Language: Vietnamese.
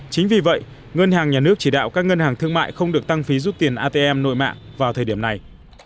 chính vì vậy ngân hàng nhà nước chỉ đạo các ngân hàng thương mại không được tăng phí rút tiền atm nội mạng vào thời điểm này